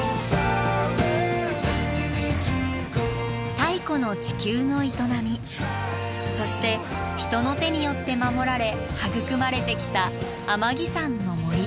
太古の地球の営みそして人の手によって守られ育まれてきた天城山の森。